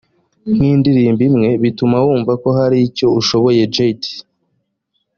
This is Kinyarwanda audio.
nk indirimbo imwe bituma wumva ko hari icyo ushoboye jade